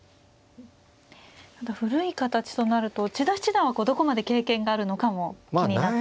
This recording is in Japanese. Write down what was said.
古い形となると千田七段はどこまで経験があるのかも気になってきますね。